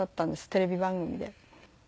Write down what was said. テレビ番組で。